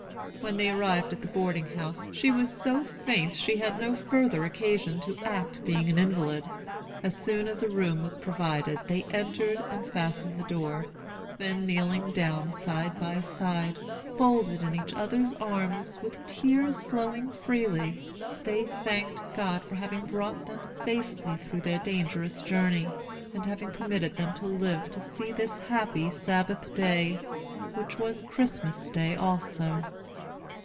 When they arrived at the boarding house, she was so faint she had no further occasion to act being an invalid. As soon as a room was provided, they entered and fastened the door. Then kneeling down side by side, folded in each other's arms, with tears flowing freely, they thanked God for having brought them safely through their dangerous journey, and having permitted them to live to see this happy Sabbath day, which was Christmas day also.